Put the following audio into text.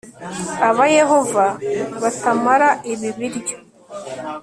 abayehova batamara ibi biryo